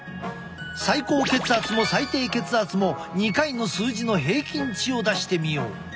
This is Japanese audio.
最高血圧も最低血圧も２回の数字の平均値を出してみよう。